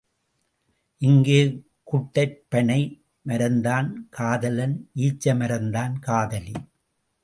இங்கே, குட்டைப் பனை மரம்தான் காதலன் ஈச்ச மரம்தான் காதலி.